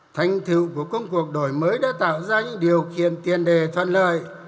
thành tựu của công cuộc đổi mới đã tạo ra những điều kiện tiền đề thuận lợi